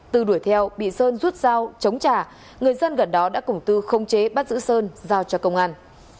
từ đuổi theo bị sơn rút dao chống trả người dân gần đó đã cùng tư không chế bắt giữ sơn giao cho công an